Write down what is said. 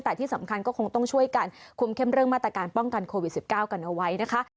แต่ที่สำคัญก็คงต้องช่วยกันคุมเข้มเรื่องมาตรการป้องกันโควิด๑๙กันเอาไว้นะคะ